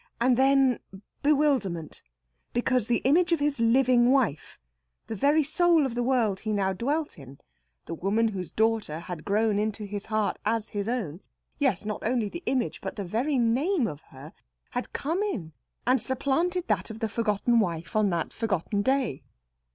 And then bewilderment, because the image of his living wife, his very soul of the world he now dwelt in, the woman whose daughter had grown into his heart as his own yes, not only the image, but the very name of her had come in and supplanted that of the forgotten wife of that forgotten day.